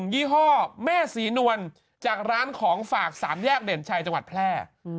ยี่ห้อแม่ศรีนวลจากร้านของฝาก๓แยกเด่นชัยจังหวัดแพร่